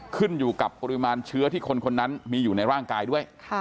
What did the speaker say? ขึ้นอยู่กับปริมาณเชื้อที่คนคนนั้นมีอยู่ในร่างกายด้วย